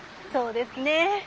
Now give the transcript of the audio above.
そうですね。